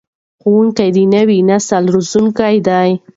ښوونکي د نوي نسل روزونکي دي.